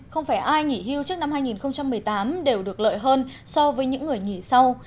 không phải ai nghỉ hưu trước năm hai nghìn một mươi tám đều được lợi hơn so với những người nghỉ sau